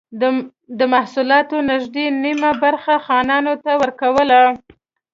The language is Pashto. د محصولاتو نږدې نییمه برخه خانانو ته ورکوله.